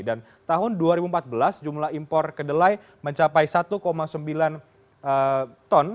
dan tahun dua ribu empat belas jumlah impor kedelai mencapai satu sembilan ton